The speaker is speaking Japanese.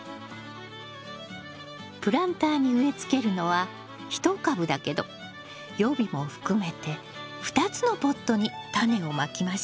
プランターに植えつけるのは１株だけど予備も含めて２つのポットにタネをまきましょう。